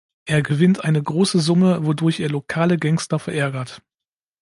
Er gewinnt eine große Summe, wodurch er lokale Gangster verärgert.